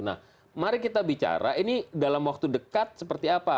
nah mari kita bicara ini dalam waktu dekat seperti apa